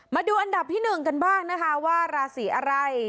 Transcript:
มาดูอันดับที่๑กันบ้างนะคะว่าราศีอะไร